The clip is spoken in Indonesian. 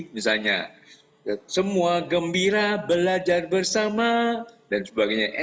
misalnya semua gembira belajar bersama dan sebagainya